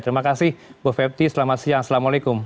terima kasih ibu vepti selamat siang assalamualaikum